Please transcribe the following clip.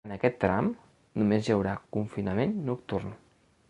En aquest tram, només hi haurà confinament nocturn.